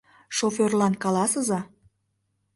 Шофёрлан каласыза.